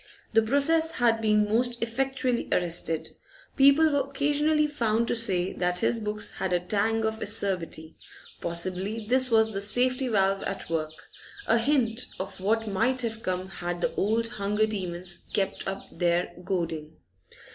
The process had been most effectually arrested. People were occasionally found to say that his books had a tang of acerbity; possibly this was the safety valve at work, a hint of what might have come had the old hunger demons kept up their goading.